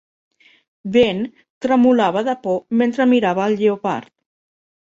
Ben tremolava de por mentre mirava el lleopard.